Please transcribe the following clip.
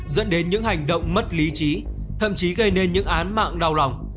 dẫn đến những hành động mất lý trí thậm chí gây nên những án mạng đau lòng